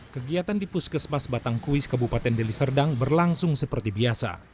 kegiatan di puskesmas batangkuis kabupaten deli serdang berlangsung seperti biasa